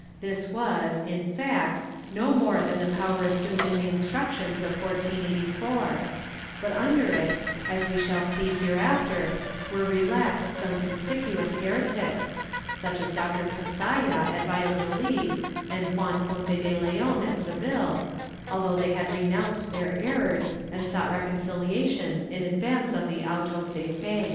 ^ This was, in fact, no more than the power assumed in the Instructions of 1484, but under it, as we shall see hereafter, were relaxed some conspic uous heretics, such as Doctor Cazalla at Valladolid and Juan Ponce de Leon at Seville, although they had renounced their errors and sought reconciliation in advance of the autos de fe.